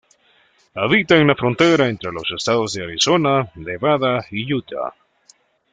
Habita en la frontera entre los estados de Arizona, Nevada y Utah.